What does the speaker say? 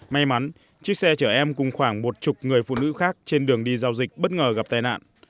may mắn chiếc xe chở em cùng khoảng một chục người phụ nữ khác trên đường đi giao dịch bất ngờ gặp tai nạn